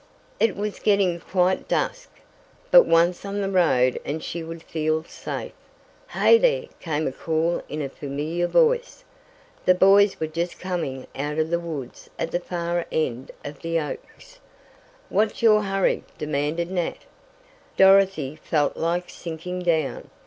It was getting quite dusk, but once on the road and she would feel safe. "Hey there!" came a call in a familiar voice. The boys were just coming out of the woods at the far end of the oaks. "What's your hurry!" demanded Nat. Dorothy felt like sinking down.